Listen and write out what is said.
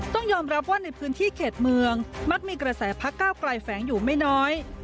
ต้องยอมรับว่าในพื้นที่เขตเมืองมักมีกระแสพักก้าวไกลแฝงอยู่ไม่น้อย